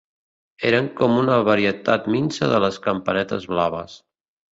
Eren com una varietat minsa de les campanetes blaves